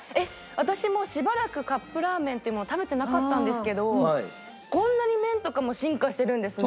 私もしばらくカップラーメンって食べてなかったんですけどこんなに麺とかも進化してるんですね。